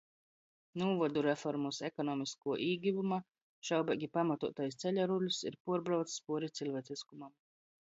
Nūvodu reformys ekonomiskuo īgivuma šaubeigi pamatuotais ceļa rulls ir puorbraucs puori cilvieciskumam.